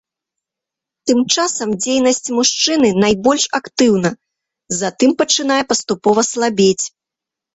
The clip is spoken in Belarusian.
Тым часам дзейнасць мужчыны найбольш актыўна, затым пачынае паступова слабець.